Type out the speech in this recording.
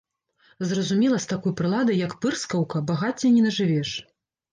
Зразумела, з такой прыладай, як пырскаўка, багацця не нажывеш!